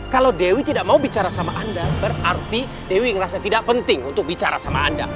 kalau dewi tidak mau bicara sama anda berarti dewi merasa tidak penting untuk bicara sama anda